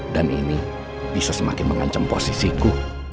dan ini bisa semakin mengancam posisiku